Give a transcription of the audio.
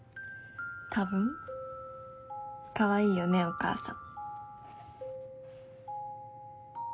たぶん可愛いよねお母さん。